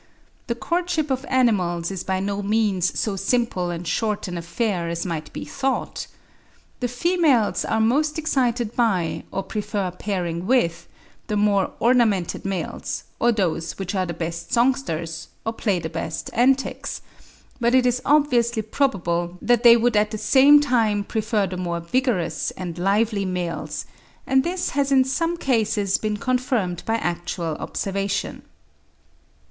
The courtship of animals is by no means so simple and short an affair as might be thought. The females are most excited by, or prefer pairing with, the more ornamented males, or those which are the best songsters, or play the best antics; but it is obviously probable that they would at the same time prefer the more vigorous and lively males, and this has in some cases been confirmed by actual observation.